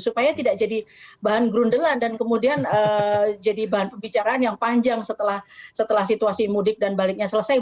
supaya tidak jadi bahan grundelan dan kemudian jadi bahan pembicaraan yang panjang setelah situasi mudik dan baliknya selesai